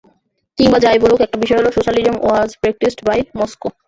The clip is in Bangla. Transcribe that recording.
কিংবা যা-ই বলুক, একটা বিষয় হলো socialism was practised by Moscow.